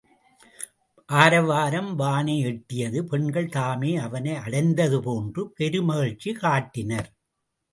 ஆரவாரம் வானை எட்டியது பெண்கள் தாமே அவனை அடைந்தது போன்று பெருமகிழ்ச்சி காட்டினர்.